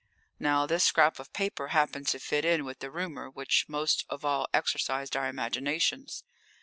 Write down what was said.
Now, this scrap of paper happened to fit in with the rumour which most of all exercised our imaginations.